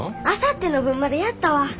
あさっての分までやったわ。